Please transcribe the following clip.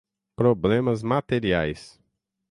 problemas materiais